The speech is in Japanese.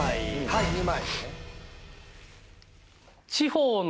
はい２枚。